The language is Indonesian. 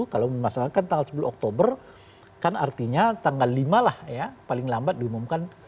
kalau masalah kan tanggal sepuluh oktober kan artinya tanggal lima lah ya paling lambat diumumkan